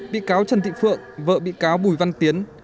bị cáo trần thị phượng vợ bị cáo bùi văn tiến